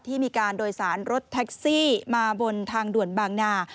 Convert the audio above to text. มีการโดยสารรถแท็กซี่มาบนทางด่วนบางนา